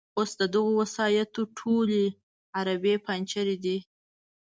اوس د دغو وسایطو ټولې عرابې پنجر دي.